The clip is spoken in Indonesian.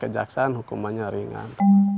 kejaksaan hukumannya ringan